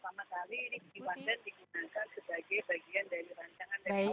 saya sama dirut melindo